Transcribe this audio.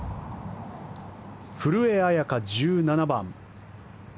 古江彩佳、１７番。